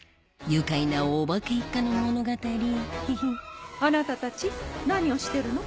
愉快なお化け一家の物語ヒヒッあなたたち何をしてるの？